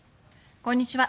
こんにちは。